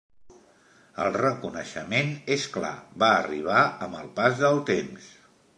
El reconeixement, és clar, va arribar amb el pas del temps.